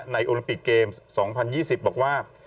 โอลิมปิกเกมส์๒๐๒๐บอกว่า